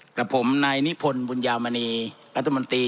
กับผมนายนิพนธ์บุญญามณีรัฐมนตรี